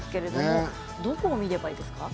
どこを見ればいいですか。